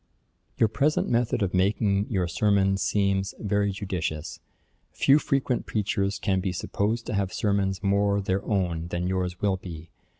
'Your present method of making your sermons seems very judicious. Few frequent preachers can be supposed to have sermons more their own than yours will be.